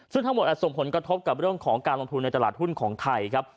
ซึ่งทั้งหมดอาจส่งผลกระทบกับเรื่องของการลงทุนในตลาดหุ้นของไทยครับ